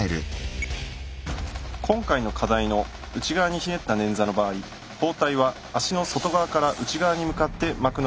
今回の課題の内側にひねった捻挫の場合包帯は足の外側から内側に向かって巻くのが鉄則なんです。